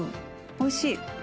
おいしい。